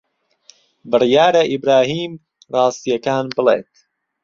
بڕیارە ئیبراهیم ڕاستییەکان بڵێت.